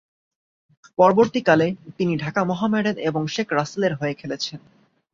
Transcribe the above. পরবর্তীকালে, তিনি ঢাকা মোহামেডান এবং শেখ রাসেলের হয়ে খেলেছেন।